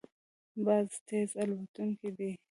باز تېز الوتونکی دی